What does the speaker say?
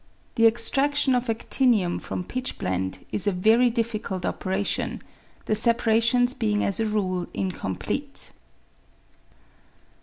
The extradion of adinium from pitchblende is a very difficult operation, the separations being as a rule incomplete.